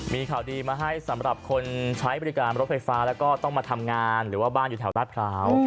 มีข่าวดีมาให้สำหรับคนใช้บริการรถไฟฟ้าแล้วก็ต้องมาทำงานหรือว่าบ้านอยู่แถวราชพร้าว